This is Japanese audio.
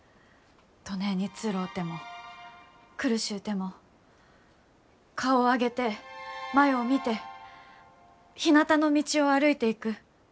どねえにつろうても苦しゅうても顔を上げて前う見てひなたの道を歩いていく。